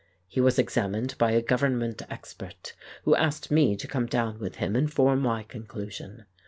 He was examined by a Government expert, who asked me to come down with him and form my conclusion.